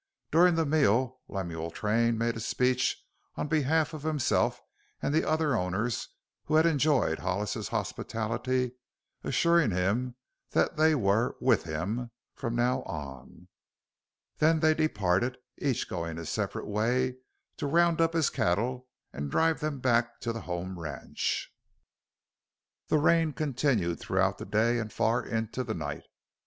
During the meal Lemuel Train made a speech on behalf of himself and the other owners who had enjoyed Hollis's hospitality, assuring him that they were "with him" from now on. Then they departed, each going his separate way to round up his cattle and drive them back to the home ranch. The rain continued throughout the day and far into the night.